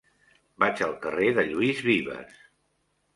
Vaig al carrer de Lluís Vives.